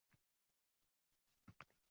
Ming pir pari